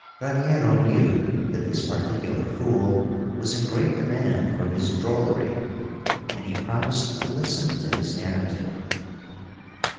Raniero knew that this particular fool was in great demand for his drollery, and he promised to listen to his narrative.